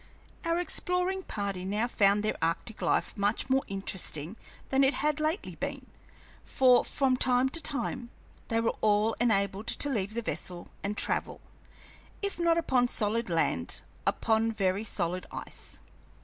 Our exploring party now found their arctic life much more interesting than it had lately been, for, from time to time, they were all enabled to leave the vessel and travel, if not upon solid land, upon very solid ice.